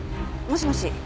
もしもし。